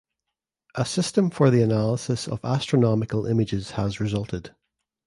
A system for the analysis of astronomical images has resulted.